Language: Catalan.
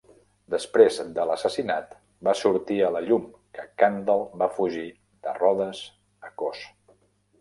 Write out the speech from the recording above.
Després de l'assassinat va sortir a la llum que Càndal va fugir de Rodes a Cos.